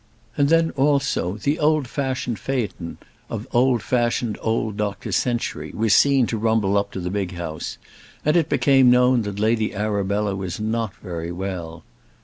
And then, also, the old fashioned phaeton, of old fashioned old Dr Century was seen to rumble up to the big house, and it became known that Lady Arabella was not very well.